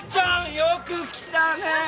よく来たねえ！